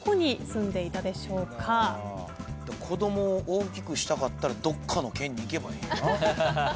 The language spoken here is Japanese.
子供を大きくしたかったらどっかの県に行けばええんやな。